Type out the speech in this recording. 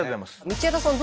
道枝さん